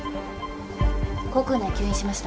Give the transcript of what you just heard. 口腔内吸引しました。